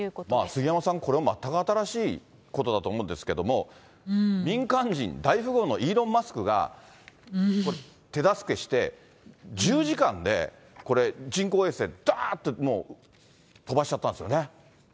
杉山さん、これも全く新しいことだと思うんですけれども、民間人、大富豪のイーロン・マスクが、手助けして、１０時間でこれ、人工衛星、どーんと飛ばしちゃったんですよね。